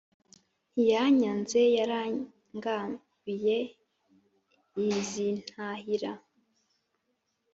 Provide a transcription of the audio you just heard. Ntiyanyanze yarangabiye iz'intahira